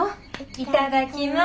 いただきます。